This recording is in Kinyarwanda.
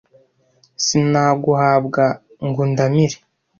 Sinaguhabwa ngo undamire